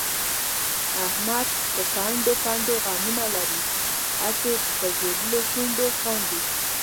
احمد په پنډو پنډو غمونه لري، هسې په ژبلو شونډو خاندي.